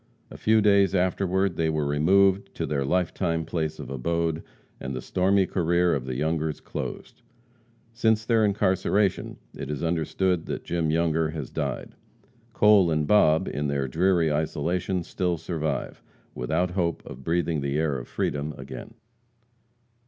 A few days afterward they were removed to their life time place of abode, and the stormy career of the Youngers closed. Since their incarceration, it is understood that Jim Younger has died. Cole and Bob, in their dreary isolation, still survive, without hope of breathing the air of freedom again.